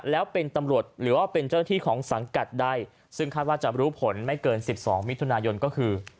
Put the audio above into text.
แล้วเป็นตำรวจหรือว่าเป็นเจ้าหน้าที่ของสังกัดใดซึ่งคาดว่าจะรู้ผลไม่เกิน๑๒มิถุนายนก็คือ